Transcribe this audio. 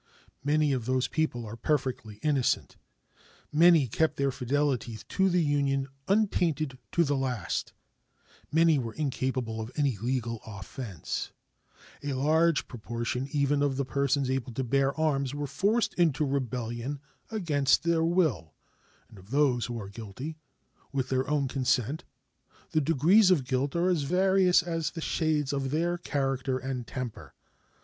Many of those people are perfectly innocent; many kept their fidelity to the Union untainted to the last; many were incapable of any legal offense; a large proportion even of the persons able to bear arms were forced into rebellion against their will, and of those who are guilty with their own consent the degrees of guilt are as various as the shades of their character and temper.